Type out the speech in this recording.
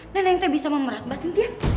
neneng teh bisa memeras basintia